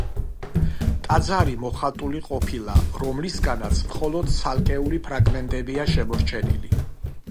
ტაძარი მოხატული ყოფილა, რომლისგანაც მხოლოდ ცალკეული ფრაგმენტებია შემორჩენილი.